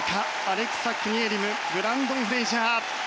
アメリカ、アレクサ・クニエリムブランドン・フレイジャー。